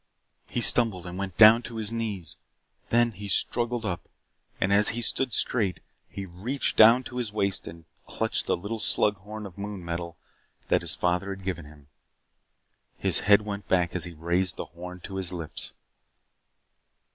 He stumbled and went down to his knees. Then he struggled up, and as he stood straight he reached down to his waist and clutched the little slug horn of moon metal that his father had given him. His head went back as he raised the horn to his lips.